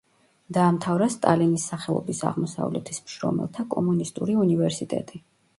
დაამთავრა სტალინის სახელობის „აღმოსავლეთის მშრომელთა კომუნისტური უნივერსიტეტი“.